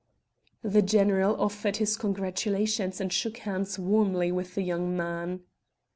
The general offered his congratulations and shook hands warmly with the young man.